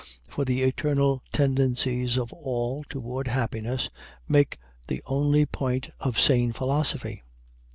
For the eternal tendencies of all toward happiness make the only point of sane philosophy.